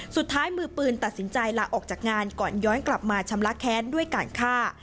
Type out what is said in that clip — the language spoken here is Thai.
สุดท้ายมือปืนตัดสินใจลาออกจากงานก่อนย้อนกลับมาชำระแค้นด้วยการฆ่า